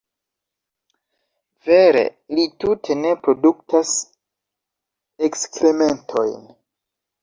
Vere, li tute ne produktas ekskrementojn.